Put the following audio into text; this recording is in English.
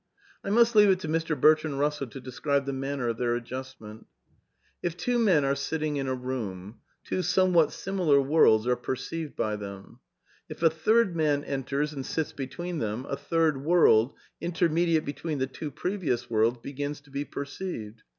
I must leave it to Mr. Bertrand Eussell to describe the manner of their adjustment. "If two men are sitting in a room, two somewhat similar worlds are perceived by them; if a third man enters and sits between them, a third world, intermediate between the two pre vious worlds, begins to be perceived.